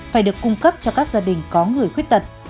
phải được cung cấp cho các gia đình có người khuyết tật